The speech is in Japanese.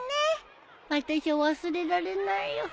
あたしゃ忘れられないよ。